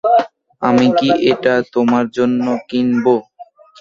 আমি কি এটা তোমার জন্য কিনবো?